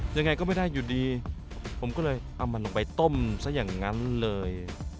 ยังไงก็ไม่ได้อยู่ดีผมก็เลยเอามันลงไปต้มซะอย่างนั้นเลย